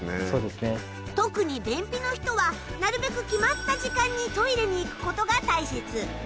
特に便秘の人はなるべく決まった時間にトイレに行くことが大切。